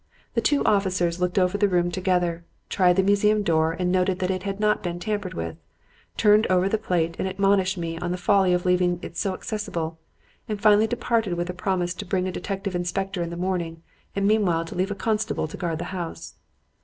The two officers looked over the room together, tried the museum door and noted that it had not been tampered with; turned over the plate and admonished me on the folly of leaving it so accessible; and finally departed with the promise to bring a detective inspector in the morning, and meanwhile to leave a constable to guard the house.